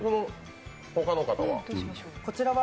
そちらは？